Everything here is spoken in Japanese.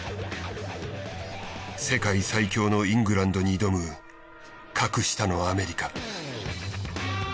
世界最強のイングランドに挑む格下のアメリカ。